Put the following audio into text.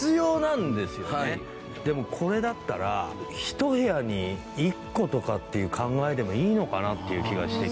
でもこれだったら一部屋に１個とかっていう考えでもいいのかなっていう気がしてきた。